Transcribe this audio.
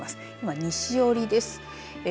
今、西寄りです。